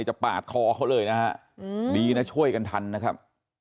ปาดคอเขาเลยนะฮะดีนะช่วยกันทันนะครับ